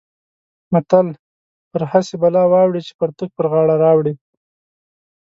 متل: پر هسې بلا واوړې چې پرتوګ پر غاړه راوړې.